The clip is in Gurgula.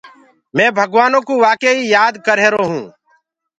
مي ڀگوآنو ڪو وآڪي ئي يآد ڪر رهيرو هونٚ۔